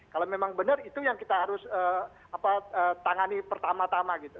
kalau memang benar itu yang kita harus tangani pertama tama gitu